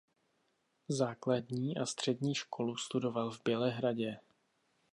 Základní a střední školu studoval v Bělehradě.